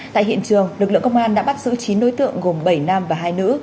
tại hiện trường lực lượng công an đã bắt giữ chín đối tượng gồm bảy nam và hai nữ